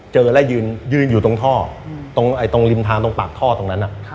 เจอแล้วยืนอยู่ตรงท่อตรงริมทางตรงปากท่อตรงนั้น